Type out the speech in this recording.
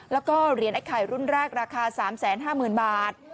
แล้วก็เหรียญไอ้ไข่รุ่นแรกราคาสามแสนห้าหมื่นบาท